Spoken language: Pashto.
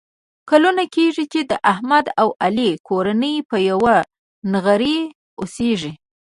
کلونه کېږي چې د احمد او علي کورنۍ په یوه نغري اوسېږي.